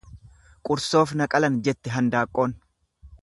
Qursoof na qalan jette handaaqqoon.